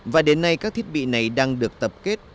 và đến nay các thiết bị này đang được tập kết